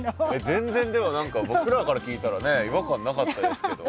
全然でも何か僕らから聞いたら違和感なかったですけど。